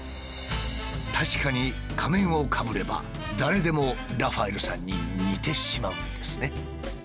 確かに仮面をかぶれば誰でもラファエルさんに似てしまうんですね。